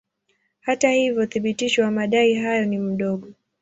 Hata hivyo uthibitisho wa madai hayo ni mdogo.